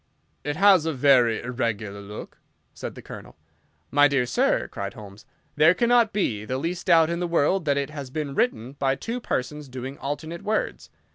"It has a very irregular look," said the Colonel. "My dear sir," cried Holmes, "there cannot be the least doubt in the world that it has been written by two persons doing alternate words.